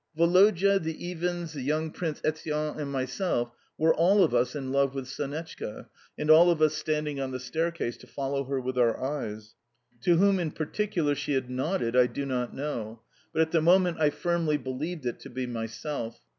Woloda, the Iwins, the young Prince Etienne, and myself were all of us in love with Sonetchka and all of us standing on the staircase to follow her with our eyes. To whom in particular she had nodded I do not know, but at the moment I firmly believed it to be myself.